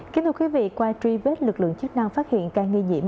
kính thưa quý vị qua truy vết lực lượng chức năng phát hiện ca nghi nhiễm